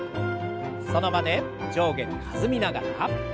その場で上下に弾みながら。